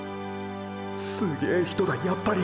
すげぇ人だやっぱり！！